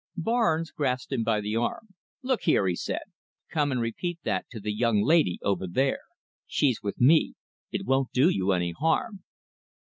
Barnes grasped him by the arm. "Look here," he said, "come and repeat that to the young lady over there. She's with me. It won't do you any harm."